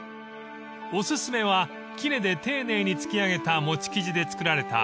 ［お薦めはきねで丁寧につき上げた餅生地で作られた］